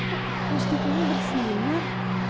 masukinnya dah sinar